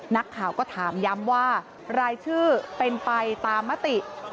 นักข่าวก็ถามย้ำว่ารายชื่อเป็นไปตามมติ